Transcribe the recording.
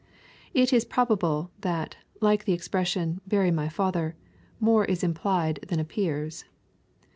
It is probable, that, like the expression, " bury my father," more is implied than appears.